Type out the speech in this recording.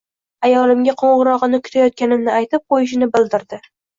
Ayolimga qoʻngʻirogʻini kutayotganimni aytib qoʻyishini bildirdi